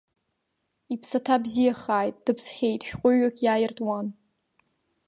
Иԥсаҭа бзиахааит, дыԥсхьеит шәҟәыҩҩык иааиртуан.